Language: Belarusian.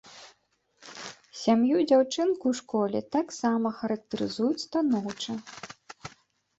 Сям'ю дзяўчынкі ў школе таксама характарызуюць станоўча.